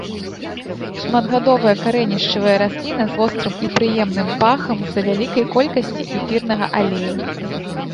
Шматгадовая карэнішчавая расліна з вострым і прыемным пахам з-за вялікай колькасці эфірнага алею.